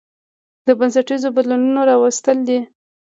د بنسټيزو بدلونونو راوستل دي